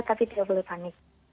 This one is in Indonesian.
tapi tidak boleh panik